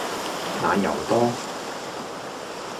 奶油多